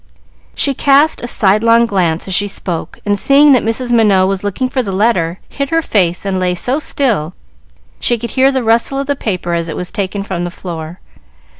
She cast a sidelong glance as she spoke, and seeing that Mrs. Minot was looking for the letter, hid her face and lay so still she could hear the rustle of the paper as it was taken from the floor.